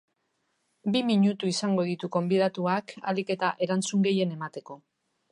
Bi minutu izango ditu gonbidatuak ahalik eta erantzun gehien emateko.